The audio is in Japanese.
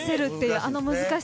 あの難しさで。